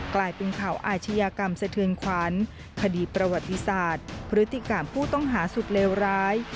กลายเป็นข่าวอาชญากรรมสะเทือนขวัญคดีประวัติศาสตร์พฤติกรรมผู้ต้องหาสุดเลวร้าย